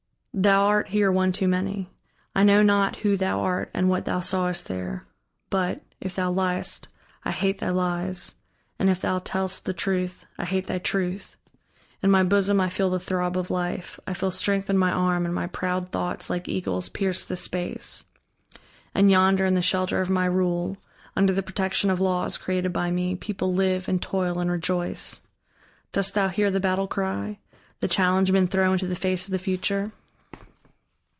Thou art here one too many. I know not who thou art and what thou sawest there; but, if thou liest, I hate thy lies, and if thou tellst the truth, I hate thy truth. In my bosom I feel the throb of life; I feel strength in my arm, and my proud thoughts, like eagles, pierce the space. And yonder in the shelter of my rule, under the protection of laws created by me, people live and toil and rejoice. Dost thou hear the battle cry, the challenge men throw into the face of the future?"